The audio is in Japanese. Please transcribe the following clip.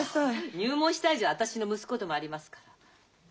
入門した以上私の息子でもありますから。